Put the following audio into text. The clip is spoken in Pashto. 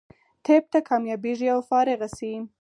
طب ته کامیابېږي او فارغه شي.